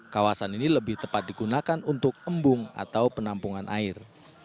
kawasan ini lebih tepat digunakan untuk embung atau penampungan air